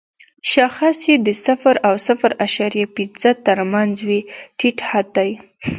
شاخص یې د صفر او صفر اعشاریه پنځه تر مینځ وي ټیټ حد دی.